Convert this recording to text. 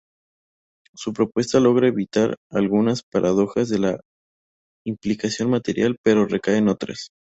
Su propuesta logra evitar algunas paradojas de la implicación material, pero recae en otras.